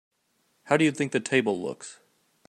How do you think the table looks?